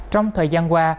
trong thời gian qua